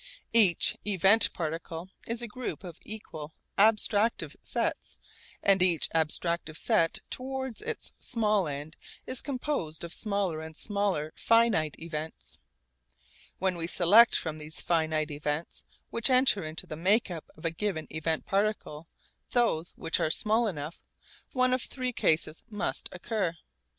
Each event particle is a group of equal abstractive sets and each abstractive set towards its small end is composed of smaller and smaller finite events. When we select from these finite events which enter into the make up of a given event particle those which are small enough, one of three cases must occur.